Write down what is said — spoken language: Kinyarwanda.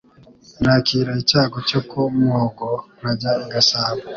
Nakira icyago cyo ku mwogo Nkajya i Gasabo.